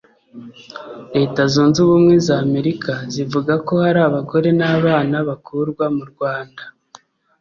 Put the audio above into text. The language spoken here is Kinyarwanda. Leta Zunze ubumwe za Amerika zivuga ko hari Abagore n’abana bakurwa mu Rwanda